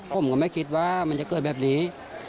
ผมก็ไม่คิดว่ามันจะเกิดแบบนี้